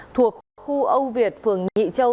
thuộc khu âu việt phường nhị châu